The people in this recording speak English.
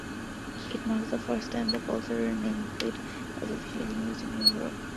It marks the first time the Pulsar nameplate has officially been used in Europe.